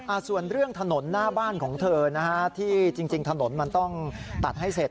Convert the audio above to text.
ส่วนเรื่องถนนหน้าบ้านของเธอนะฮะที่จริงจริงถนนมันต้องตัดให้เสร็จ